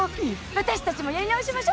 私たちもやり直しましょトオル。